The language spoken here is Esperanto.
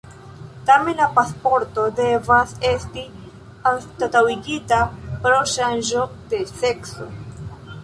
Tamen la pasporto devas esti anstataŭigita pro ŝanĝo de sekso.